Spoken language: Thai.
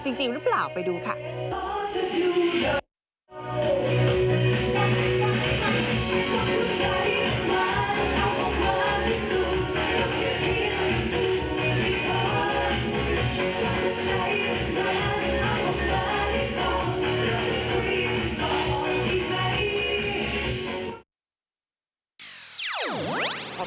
แม่เต้นมาให้เสียชื่อใหม่จริงหรือเปล่าไปดูค่ะ